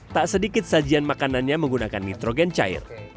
tak sedikit sajian makanannya menggunakan nitrogen cair